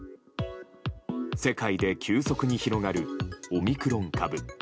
世界で急速に広がるオミクロン株。